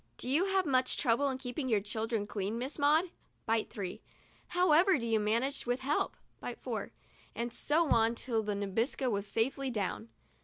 "Do you have much trouble in keeping your children clean, Miss Maud ?" (bite three). " How ever do you manage with help ?" (bite four) — and so on till the Nabisco was safely down.